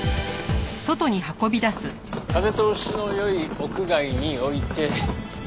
風通しの良い屋外に置いて。